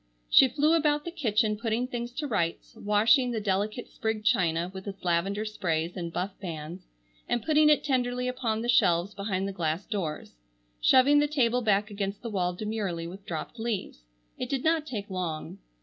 She flew about the kitchen putting things to rights, washing the delicate sprigged china with its lavendar sprays and buff bands, and putting it tenderly upon the shelves behind the glass doors; shoving the table back against the wall demurely with dropped leaves. It did not take long.